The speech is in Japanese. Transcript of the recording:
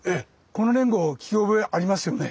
この年号聞き覚えありますよね。